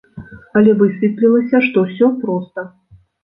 Але высветлілася, што ўсё проста.